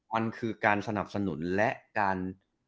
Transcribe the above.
มันคือการสนับสนุนและการ